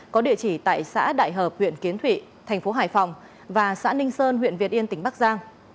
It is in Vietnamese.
có địa chỉ tại xã đại hợp huyện kiến thụy thành phố hải phòng và xã ninh sơn huyện việt yên tỉnh bắc giang